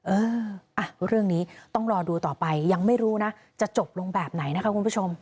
เอออ่ะเรื่องนี้ต้องรอดูต่อไปยังไม่รู้นะจะจบลงแบบไหนนะคะคุณผู้ชม